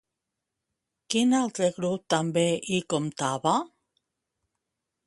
Quin altre grup també hi comptava?